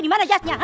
dimana jasnya ha